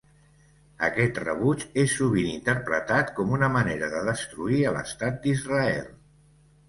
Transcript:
Aquest rebuig és sovint interpretat com una manera de destruir a l'Estat d'Israel.